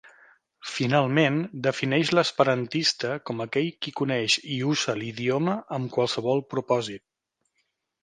Finalment, defineix l'esperantista com aquell qui coneix i usa l'idioma amb qualsevol propòsit.